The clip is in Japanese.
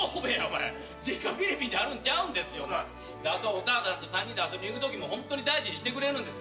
お母さんと３人で遊びにいくときも本当に大事にしてくれるんです。